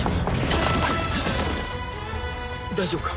大丈夫か？